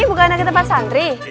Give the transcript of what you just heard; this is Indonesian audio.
bukan lagi tempat santri